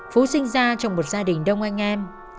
phú sinh ra trong một gia đình đông anh em